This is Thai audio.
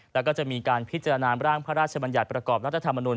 แล้วก็จะมีการพิจารณาร่างพระราชบัญญัติประกอบรัฐธรรมนุน